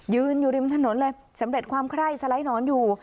อยู่ริมถนนเลยสำเร็จความไคร้สไลด์หนอนอยู่